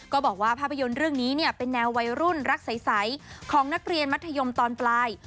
บอกว่าภาพยนตร์เรื่องนี้เนี่ยเป็นแนววัยรุ่นรักใสของนักเรียนมัธยมตอนปลาย